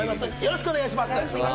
よろしくお願いします。